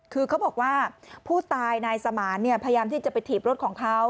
คือเขาบอกว่าผู้ตายนายสมานพยายามที่จะไปถีบรถของเขา